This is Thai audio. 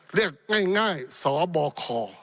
เรียกง่ายสบค